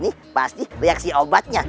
ini pasti reaksi obatnya